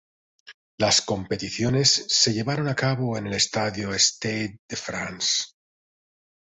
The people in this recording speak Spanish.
Las competiciones se llevaron a cabo en el estadio Stade de France.